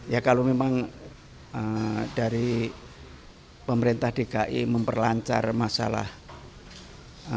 ya kalau memang dari pemerintah dki memperlancar masalahnya